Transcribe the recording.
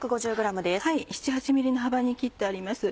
７８ｍｍの幅に切ってあります。